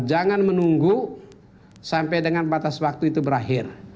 jangan menunggu sampai dengan batas waktu itu berakhir